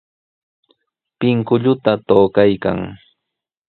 Pinkulluta tukaykan.